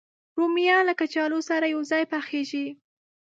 رومیان له کچالو سره یو ځای پخېږي